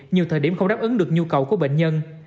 nhiều thời điểm không đáp ứng được nhu cầu của bệnh nhân